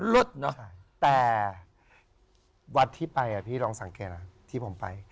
รถเนอะแต่วัดที่ไปอ่ะพี่ลองสังเกตนะที่ผมไป